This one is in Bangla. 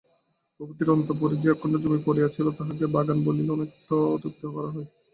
ভূপতির অন্তঃপুরে যে একখণ্ড জমি পড়িয়া ছিল তাহাকে বাগান বলিলে অনেকটা অত্যুক্তি করা হয়।